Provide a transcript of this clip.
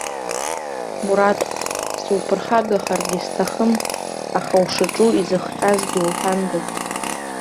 Мураҭ, суԥырхагахаргьы сҭахым, аха ушаҿу изыхҟьазгьы уҳәандаз.